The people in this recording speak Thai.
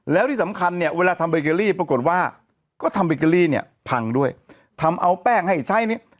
แล้วที่สำคัญเนี่ยเวลาทำเบเกอรี่ปรากฏว่าก็ทำเบเกอรี่เนี่ยพังด้วยทำเอาแป้งให้ใช้เนี่ย